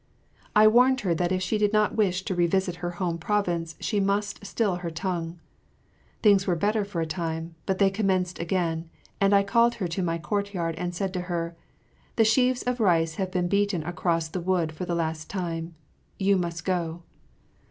I warned her that if she did not wish to revisit her home province she must still her tongue. Things were better for a time, but they commenced again, and I called her to my courtyard and said to her, "The sheaves of rice have been beaten across the wood for the last time. You must go."